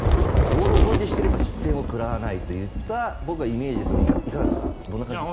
ボールを保持していれば失点を食らわないというような僕はイメージですがいかがですか。